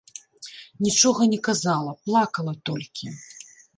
Нічога не казала, плакала толькі.